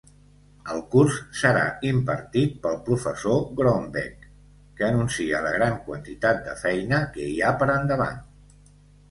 El curs serà impartit pel professor Grombek, que anuncia la gran quantitat de feina que hi ha per endavant.